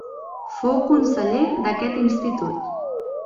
Fou conseller d'aquest institut.